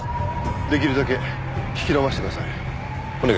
出来るだけ引き延ばしてください。